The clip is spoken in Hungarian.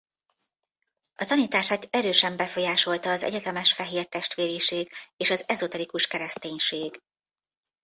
A tanítását erősen befolyásolta az Egyetemes Fehér Testvériség és az ezoterikus kereszténység.